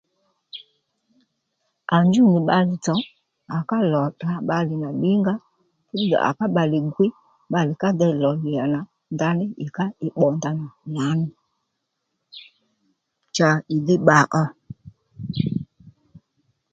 À njûw bba tsò à ká lò tdra bbalè nà ddìnga ó ddiydho à ká bbalè gwiy bbalè ka dey lò lǐya nà ndaní ì ká ì ò ndanà nì cha ì dhí bba ó